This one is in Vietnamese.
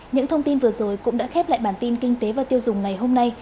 những thông tin vừa rồi cũng đã khép lại bản tin kinh tế và tiêu dùng ngày hôm nay